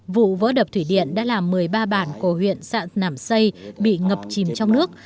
vụ vỡ đập thủy điện đã làm một mươi ba bản của huyện sạn nảm xây bị ngập chìm trong nước